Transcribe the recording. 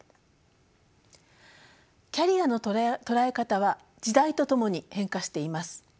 キャリアの捉え方は時代とともに変化しています。